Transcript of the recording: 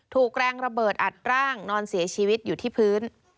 ถูกแรงระเบิดอัดร่างนอนเสียชีวิตอยู่ที่พื้น